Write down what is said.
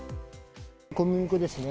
小麦粉ですね。